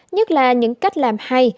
nhất là những cách làm hay